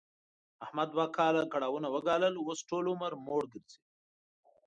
احمد دوه کاله کړاوونه و ګالل، اوس ټول عمر موړ ګرځي.